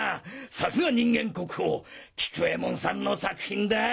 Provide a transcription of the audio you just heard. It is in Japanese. さすが人間国宝菊右衛門さんの作品だ！